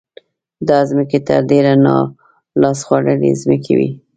دا ځمکې تر ډېره نا لاس خوړلې ځمکې وې.